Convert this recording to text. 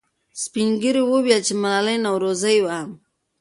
سپین ږیرو وویل چې ملالۍ نورزۍ وه.